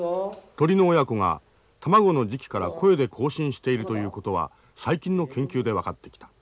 鳥の親子が卵の時期から声で交信しているということは最近の研究で分かってきた。